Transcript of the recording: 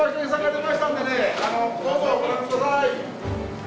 どうぞご覧ください。